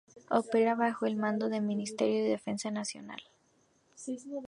Opera bajo el mando del Ministerio de Defensa Nacional.